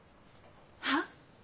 はっ？